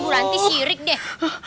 bu ranti syirik deh